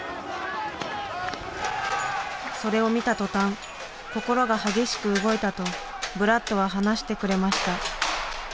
それを見た途端心が激しく動いたとブラッドは話してくれました。